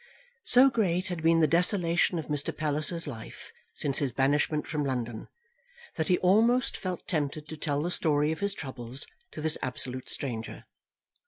So great had been the desolation of Mr. Palliser's life since his banishment from London that he almost felt tempted to tell the story of his troubles to this absolute stranger.